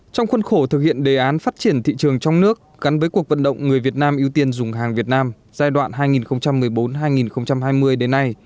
trong khuôn khổ thực hiện đề án phát triển thị trường trong nước gắn với cuộc vận động người việt nam ưu tiên dùng hàng việt nam giai đoạn hai nghìn một mươi bốn hai nghìn hai mươi đến nay